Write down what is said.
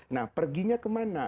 nah perginya kemana